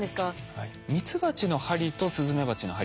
はい。